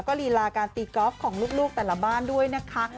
ก็ลีลาการตีกอล์ฟของลูกแต่ละบ้านด้วยนะคะ